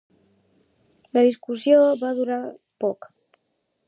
La discussió va durar poc.